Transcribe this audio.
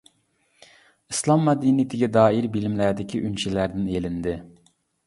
ئىسلام مەدەنىيىتىگە دائىر بىلىملەردىكى ئۈنچىلەردىن ئېلىندى.